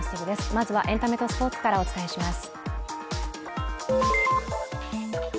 まずはエンタメとスポーツからお伝えします。